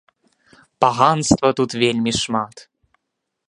Паганства тут вельмі шмат.